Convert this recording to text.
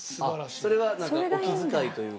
それはお気遣いというか。